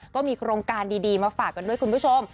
ก็มีโครงการดีมาฝากกันด้วยคุณผู้ชม